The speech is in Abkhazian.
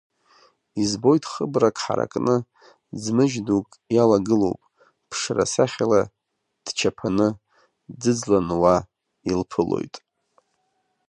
Избоит хыбрак ҳаракны, ӡмыжь дук иалагылоуп, ԥшра сахьала дчаԥаны, Ӡызлан уа илԥылоит.